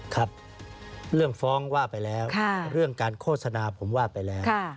ครับเรื่องฟ้องว่าไปแล้วเรื่องการโฆษณาผมว่าไปแล้ว